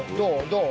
どう？